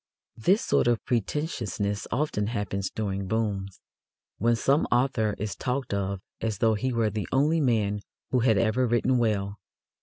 This sort of pretentiousness often happens during "booms," when some author is talked of as though he were the only man who had ever written well.